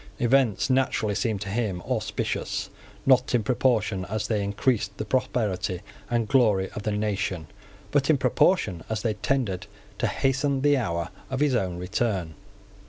Events naturally seemed to him auspicious, not in proportion as they increased the prosperity and glory of the nation, but in proportion as they tended to hasten the hour of his own return.